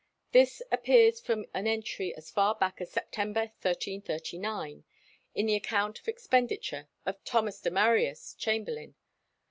This appears from an entry as far back as September, 1339, in the account of expenditure of Thomas de Maryus, chamberlain.